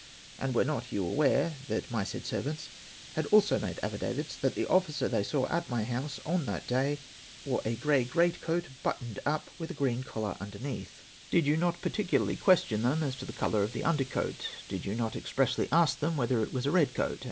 And were not you aware that my said servants had also made affidavits that the officer they saw at my house on that day wore a grey great coat, buttoned up, with a green collar under neath ? QUERIES rUT TO IIIS SOLICITOES. 4;3:J Did you not particularly question them as to the colour of the under coat ? Did you not expressly ask them whether it was a red coat